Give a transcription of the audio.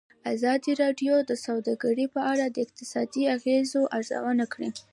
ازادي راډیو د سوداګري په اړه د اقتصادي اغېزو ارزونه کړې.